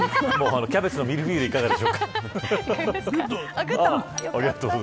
キャベツのミルフィーユでいかがですか。